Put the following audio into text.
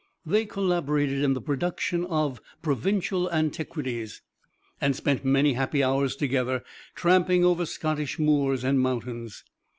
They collaborated in the production of "Provincial Antiquities," and spent many happy hours together tramping over Scottish moors and mountains.